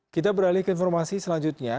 kita beralih ke informasi selanjutnya